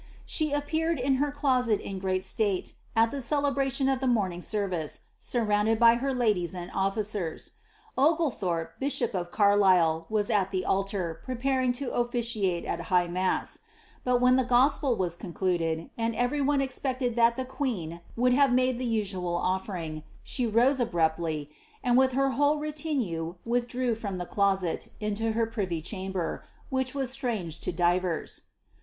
She appeared in her closet in great state, at the celebration of the morning service, surrounded by her ladies and offi cers. Oglethorpe, bishop of Carlisle, was at the altar, preparing to officiate at high mass ; but when the gospel was concluded, and every one expected that the queen would have made the usual offering, she rose abruptly, and with her whole retinue withdrew from the closet into her privy chamber, which was strange to divers.